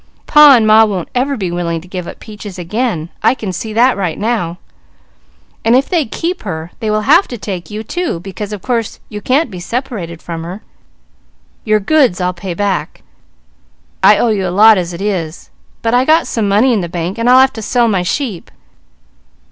"Pa and Ma won't ever be willing to give up Peaches again, I can see that right now, and if they keep her, they will have to take you too, because of course you can't be separated from her; your goods, I'll pay back. I owe you a lot as it is, but I got some money in the bank, and I'll have to sell my sheep."